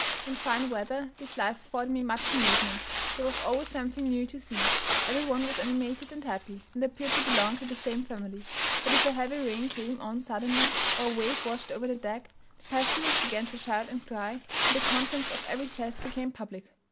In fine weather, this life afforded me much amusement; there was always something new to see; every one was animated and happy, and appeared to belong to the same family; but if a heavy rain came on suddenly, or a wave washed over the deck, the passengers began to shout and cry, and the contents of every chest became public.